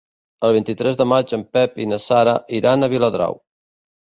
El vint-i-tres de maig en Pep i na Sara iran a Viladrau.